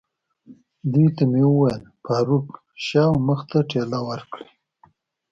دوی ته مې وویل: فاروق، شا او مخ ته ټېله ورکړئ.